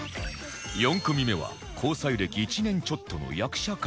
４組目は交際歴１年ちょっとの役者カップル